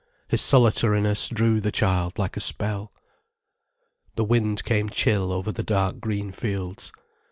His solitariness drew the child like a spell. The wind came chill over the dark green fields.